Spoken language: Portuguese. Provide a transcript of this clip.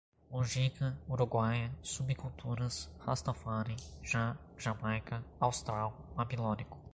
Mujica, uruguaia, subculturas, rastafári, Jah, Jamaica, austral, babilônico